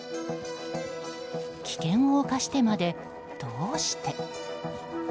危険を冒してまでどうして。